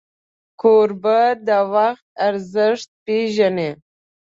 کوربه د وخت ارزښت پیژني.